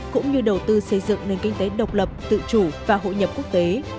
cũng như đầu tư xây dựng nền kinh tế độc lập tự chủ và hội nhập quốc tế